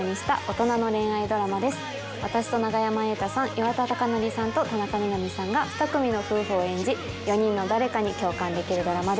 岩田剛典さんと田中みな実さんが２組の夫婦を演じ４人の誰かに共感できるドラマです。